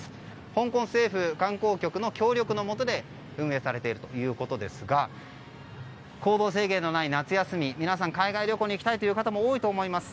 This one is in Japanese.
香港政府観光局の協力のもとで運営されているということですが行動制限のない夏休み皆さん、海外旅行に行きたいという方も多いと思います。